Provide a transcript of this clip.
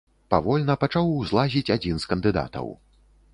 Павольна пачаў узлазіць адзін з кандыдатаў.